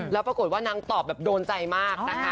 แล้วปรากฏว่านางตอบโดนใจมาก